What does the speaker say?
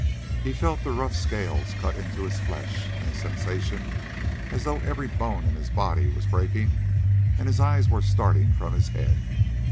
He felt the rough scales cut into his flesh and a sensation as though every bone in his body was breaking and his eyes were starting from his head.